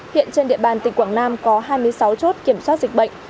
hiện trên địa bàn tỉnh quảng nam có hai mươi sáu chốt kiểm soát dịch bệnh